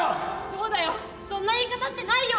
「そうだよそんな言い方ってないよ！」。